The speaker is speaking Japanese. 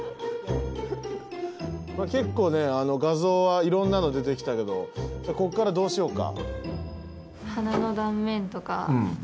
結構ね画像はいろんなの出てきたけどこっからどうしようか？